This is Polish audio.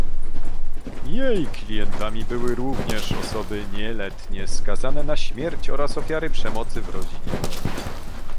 Jej klientami były również osoby nieletnie skazane na śmierć oraz ofiary przemocy w rodzinie